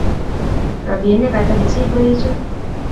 robinik hata kijigoichu?